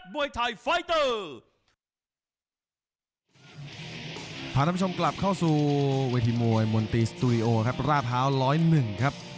พาท่านผู้ชมกลับเข้าสู่เวทีมวยมนตรีสตูดิโอครับราเภา๑๐๑ครับ